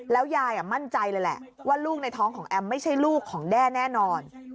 ยายมั่นใจเลยแหละว่าลูกในท้องของแอมไม่ใช่ลูกของแด้แน่นอน